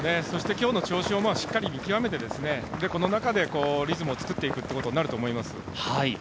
そして、今日の調子をしっかり見極めてこの中でリズムを作っていくということになると思います。